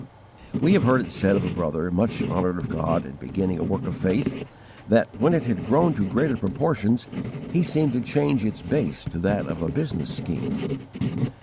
We have heard it said of a brother, much honoured of God in beginning a work of faith, that, when it had grown to greater proportions, he seemed to change its base to that of a business scheme.